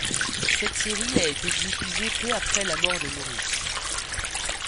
Cette série a été diffusé peu après la mort de Morris.